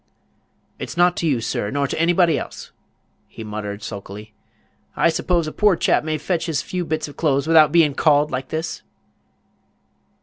"It's nowght to you, nor to anybody else," he muttered sulkily. "I suppose a poor chap may fetch his few bits of clothes without bein' called like this?"